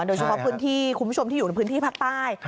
โดยเฉพาะคุณผู้ชมที่อยู่ในพื้นที่พักใต้